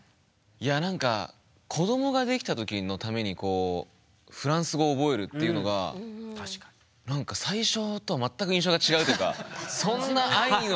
いや何か子どもができた時のためにフランス語覚えるっていうのが最初とは全く印象が違うっていうかそんな愛のある。